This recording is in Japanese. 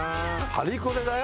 パリコレだよ？